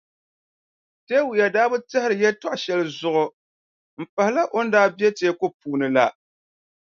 Tawia daa bi tɛhiri yɛltɔɣʼ shɛli zuɣu m-pahila o ni daa be teeku puuni la.